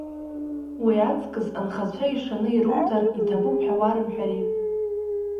Уи аҵкыс анхацәа ишаны ируҭар, иҭабуп ҳәа уарымҳәари.